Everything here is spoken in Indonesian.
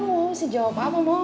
mama berjauh kapan mama mau menang